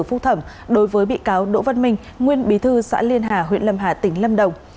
phúc thẩm đối với bị cáo đỗ văn minh nguyên bí thư xã liên hà huyện lâm hà tỉnh lâm đồng